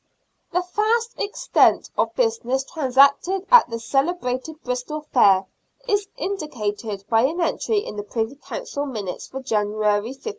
The vast extent of business transacted at the celebrated Bristol fair is indicated by an entry in the Privy Council minutes for January, 1597.